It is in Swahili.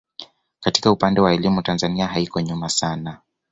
Katika upande wa elimu Tanzania haiko nyuma sana